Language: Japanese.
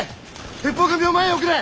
鉄砲組を前へ送れ！